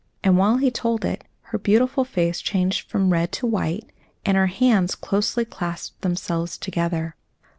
And while he told it, her beautiful face changed from red to white, and her hands closely clasped themselves together.